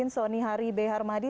soni hari b harmadi